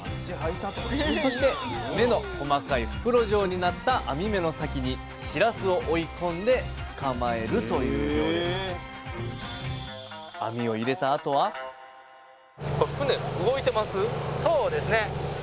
そして目の細かい袋状になった網目の先にしらすを追い込んで捕まえるという漁ですそうですね。